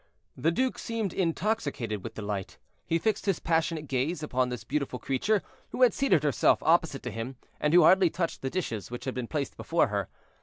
The duke seemed intoxicated with delight; he fixed his passionate gaze upon this beautiful creature, who had seated herself opposite to him, and who hardly touched the dishes which had been placed before her.